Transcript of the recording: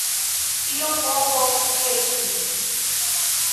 Tio povos esti.